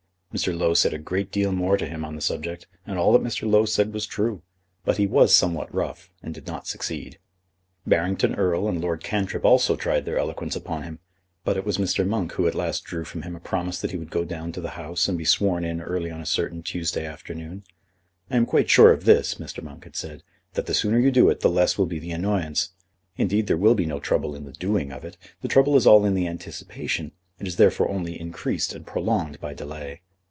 Mr. Low said a great deal more to him on the subject, and all that Mr. Low said was true; but he was somewhat rough, and did not succeed. Barrington Erle and Lord Cantrip also tried their eloquence upon him; but it was Mr. Monk who at last drew from him a promise that he would go down to the House and be sworn in early on a certain Tuesday afternoon. "I am quite sure of this," Mr. Monk had said, "that the sooner you do it the less will be the annoyance. Indeed there will be no trouble in the doing of it. The trouble is all in the anticipation, and is therefore only increased and prolonged by delay."